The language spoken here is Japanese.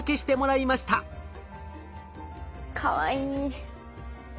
かわいい。